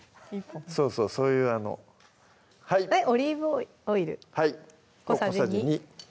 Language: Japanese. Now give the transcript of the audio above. そうそうそういうでオリーブオイル小さじ２